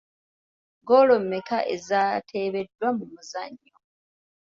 Goolo mmeka ezaateebeddwa mu muzannyo?